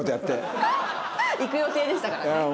行く予定でしたからね。